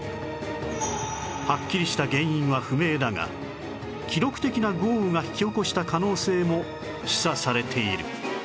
はっきりした原因は不明だが記録的な豪雨が引き起こした可能性も示唆されている